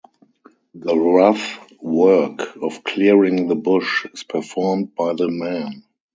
The rough work of clearing the bush is performed by the men.